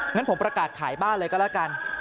งั้นผมประกาศขายบ้านเลยก็แล้วกัน